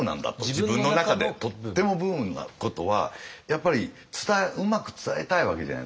自分の中でとってもブームなことはやっぱりうまく伝えたいわけじゃないですか。